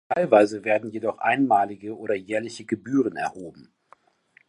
Teilweise werden jedoch einmalige oder jährliche Gebühren erhoben.